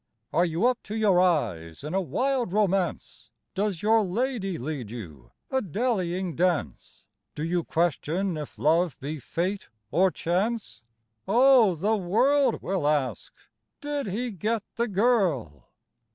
Are you up to your eyes in a wild romance? Does your lady lead you a dallying dance? Do you question if love be fate, or chance? Oh, the world will ask: "Did he get the girl?"